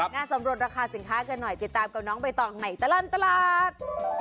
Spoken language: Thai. งานสำรวจราคาสินค้ากันหน่อยติดตามกับน้องไปต่อใหม่ตลาดตลาด